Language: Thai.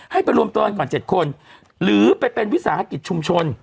ให้ไปรวมตัวกันก่อน๗คนหรือไปเป็นวิสาหกิจชุมชน